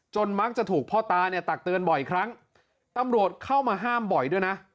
มักจะถูกพ่อตาเนี่ยตักเตือนบ่อยครั้งตำรวจเข้ามาห้ามบ่อยด้วยนะ